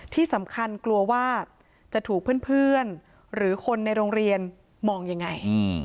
ที่สำคัญกลัวว่าจะถูกเพื่อนหรือคนในโรงเรียนมองยังไง